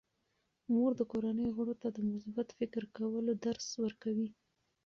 مور د کورنۍ غړو ته د مثبت فکر کولو درس ورکوي.